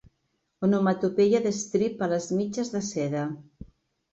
Onomatopeia d'estrip a les mitges de seda.